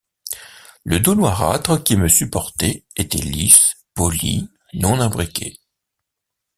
Le dos noirâtre qui me supportait était lisse, poli, non imbriqué.